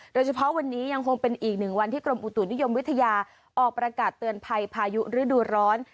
โดยเฉพาะวันนี้ยังคงเป็นอีกหนึ่งวันที่กรมอุตุนิยมวิทยาออกประกาศเตือนภัยพายุฤดูร้อน